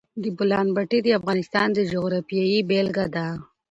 د بولان پټي د افغانستان د جغرافیې بېلګه ده.